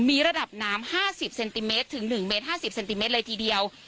มีระดับน้ำ๕๐เซนติเมตรถึง๑เมตร๕๐เซนติเมตรเลยทีเดียว